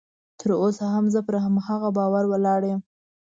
تر اوسه هم زه پر هماغه باور ولاړ یم